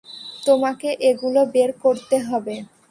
তোমাকে এগুলো বের করতে হবে।